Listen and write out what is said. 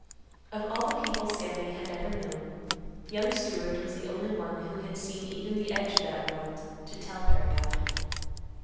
Of all the people Sammy had ever known, young Stewart was the only one who had seen even the edge of that world to tell her about it.